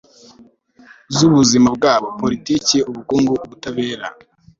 z'ubuzima bwabo (politiki, ubukungu, ubutabera